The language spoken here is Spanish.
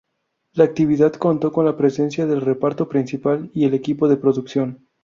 La actividad contó con la presencia del reparto principal y el equipo de producción.